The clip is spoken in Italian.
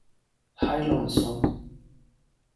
High Lonesome